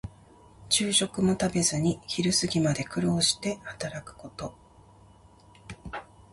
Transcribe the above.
昼食も食べずに昼過ぎまで苦労して働くこと。